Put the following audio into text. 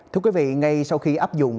thưa quý vị ngay sau khi áp dụng